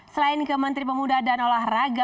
selain kementri pemuda dan olahraga